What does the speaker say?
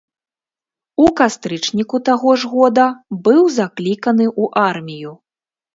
У кастрычніку таго ж года быў закліканы ў армію.